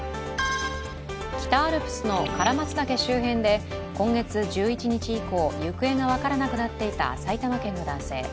北アルプスの唐松岳周辺で今月１１日以降、行方が分からなくなっていた埼玉県の男性。